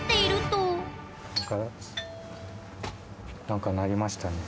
何か鳴りましたね。